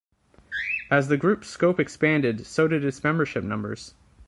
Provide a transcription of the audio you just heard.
As the group's scope expanded, so did its membership numbers.